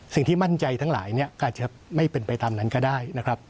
สิ่งที่มั่นใจทั้งหลายเนี่ยก็อาจจะไม่เป็นไปตามนั้นก็ได้นะครับ